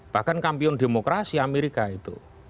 bahkan kampion demokrasi amerika itu